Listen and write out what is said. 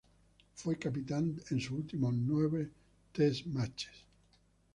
Fue capitán en sus últimos nueve test matches.